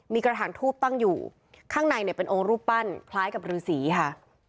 มีกระถางทูบตั้งอยู่ข้างในเนี่ยเป็นองค์รูปปั้นคล้ายกับฤษีค่ะ